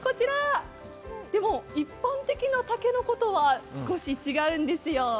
でも、一般的な竹の子とは少し違うんですよ。